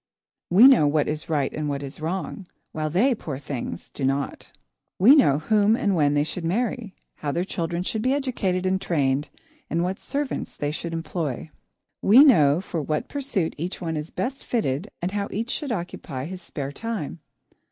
We know what is right and what is wrong, while they, poor things! do not. We know whom and when they should marry, how their children should be educated and trained, and what servants they should employ. We know for what pursuit each one is best fitted and how each should occupy his spare time.